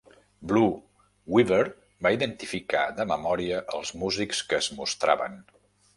Blue Weaver va identificar de memòria els músics que es mostraven.